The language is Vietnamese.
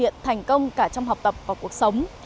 và cải thiện thành công cả trong học tập và cuộc sống